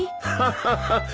ハハハッ。